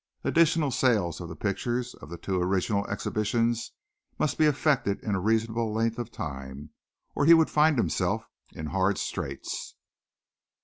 Additional sales of the pictures of the two original exhibitions must be effected in a reasonable length of time or he would find himself in hard straits.